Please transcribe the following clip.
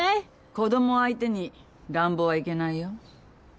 子供相手に乱暴はいけないよ。